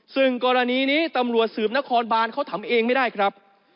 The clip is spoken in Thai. ซึ่งกรณีนี้ตำรวจสืบนครบานเขาทำเองไม่ได้ครับ